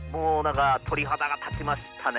鳥肌が立ちましたね